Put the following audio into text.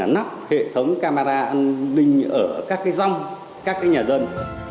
nắp hệ thống camera an ninh ở các rong các nhà dân